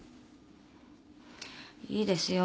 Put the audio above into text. いいですよ。